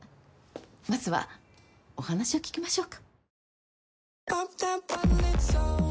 まずはお話を聞きましょうか。